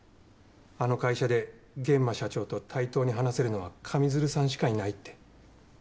あの会社で諫間社長と対等に話せるのは上水流さんしかいないって。